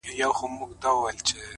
مثبت فکر د شکونو ورېځې خوروي؛